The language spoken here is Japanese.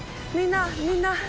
みんなみんな。